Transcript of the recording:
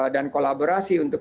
dan kolaborasi untuk